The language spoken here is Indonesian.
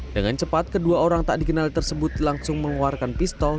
dengan cepat kedua orang tak dikenal tersebut langsung mengeluarkan pistol